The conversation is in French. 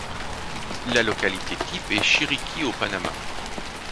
La localité type est Chiriqui au Panama.